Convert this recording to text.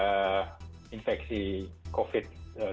ada infeksi covid sembilan belas